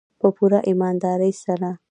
په پوره ایمانداري سره.